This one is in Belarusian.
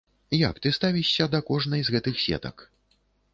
Як ты ставішся да кожнай з гэтых сетак?